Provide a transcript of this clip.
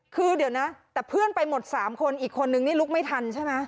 คือเดี๋ยวนะแต่เพื่อนไปหมด๓คนอีกคนนึงนี่ลุกไม่ทันใช่ไหม